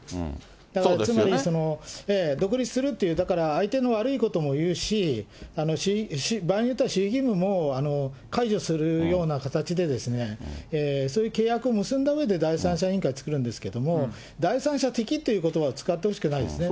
だからつまり、独立するっていう、だから相手の悪いことも言うし、場合によっては守秘義務も解除するような形で、そういう契約を結んだうえで、第三者委員会を作るんですけれども、第三者的ということばを使ってほしくないですね。